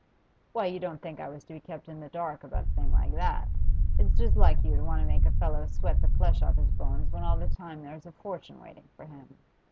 'Why, you don't think I was to be kept in the dark about a thing like that? It's just like you to want to make a fellow sweat the flesh off his bones when all the time there's a fortune waiting for him.